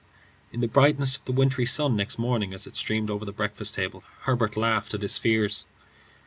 In the brightness of the wintry sun next morning as it streamed over the breakfast table he laughed at his fears.